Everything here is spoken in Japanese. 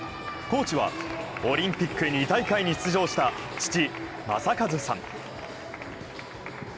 コーチはオリンピック２大会に出場した、父・正和さん。